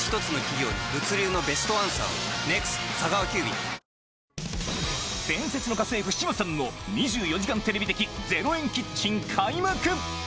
簡単だし、おいしいなぁって伝説の家政婦志麻さんの２４時間テレビ的０円キッチン、開幕。